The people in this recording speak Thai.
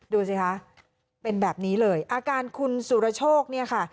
ดูสิคะเป็นแบบนี้เลยอาการคุณสุรโชคเนี่ยค่ะ